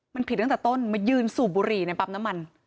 มันผิดตั้งแต่ต้นมายืนสูบบุหรี่ในปั๊มน้ำมัน